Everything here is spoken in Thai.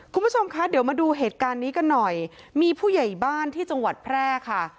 คุณผู้ชมคะเดี๋ยวมาดูเหตุการณ์นี้กันหน่อยมีผู้ใหญ่บ้านที่จังหวัดแพร่ค่ะ